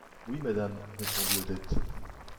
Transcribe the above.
Oui, Madame, répondit Odette.